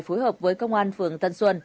phối hợp với công an phường tân xuân